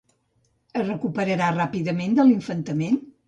Es recuperà ràpidament de l'infantament?